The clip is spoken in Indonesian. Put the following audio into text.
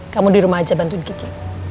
kamu dirumah aja bantuin kiki